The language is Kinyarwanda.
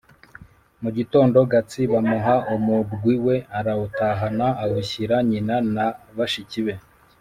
Mu gitondo Gatsi bamuha umurwi we arawutahana; awushyira nyina na bashiki be.